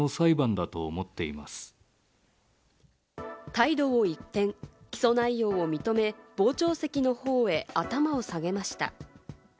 態度を一転、起訴内容を認め傍聴席の方へ頭を下げました。